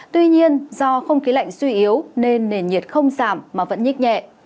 tuy nhiên do không khí lạnh suy yếu nên nền nhiệt không giảm mà vẫn nhích nhẹ